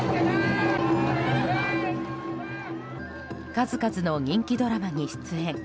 数々の人気ドラマに出演。